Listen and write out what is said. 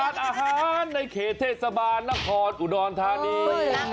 เจสบานนครอุดรธานี